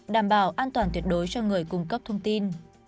đảm bảo an toàn tuyệt đối cho người cung cấp thông tin